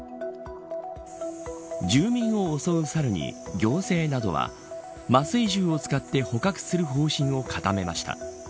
住民を襲うサルに行政などは麻酔銃を使って捕獲する方針を固めました。